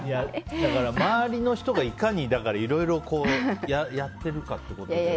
周りの人がいかにいろいろやってるかってことですね。